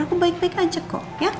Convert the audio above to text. aku baik baik aja kok